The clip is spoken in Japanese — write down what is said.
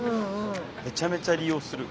めちゃめちゃ利用する。